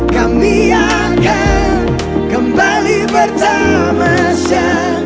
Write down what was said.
kami akan kembali bertamanya